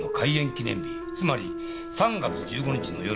記念日つまり３月１５日の夜